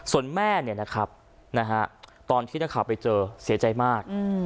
ส่วนแม่เนี่ยนะครับนะฮะตอนที่นะครับไปเจอเสียใจมากอืม